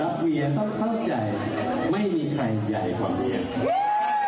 เวียต้องเข้าใจไม่มีใครใหญ่กว่านี้